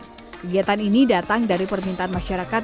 kegiatan ini datang dari permintaan masyarakat